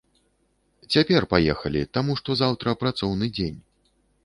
Цяпер паехалі, таму што заўтра працоўны дзень.